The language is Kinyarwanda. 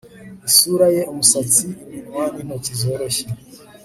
isura ye, umusatsi, iminwa n'intoki zoroshye